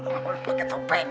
lo pake topeng